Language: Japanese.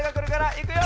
いくよ！